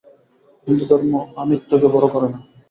হিন্দুধর্ম আমিত্বকে বড় করে না।